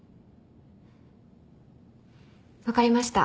分かりました。